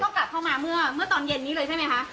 ก็กลับเข้ามาเมื่อตอนเย็นนี้เลยใช่ไหมคะ